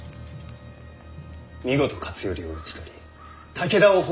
見事勝頼を討ち取り武田を滅ぼされたこと